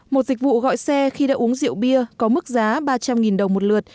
một dịch vụ gọi xe khi đã uống rượu bia có mức giá ba trăm linh đồng một lượt